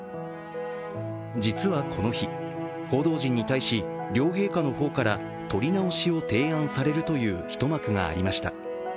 実はこの日、報道陣に対し、両陛下のほうから撮り直しを提案されるという一幕がありました。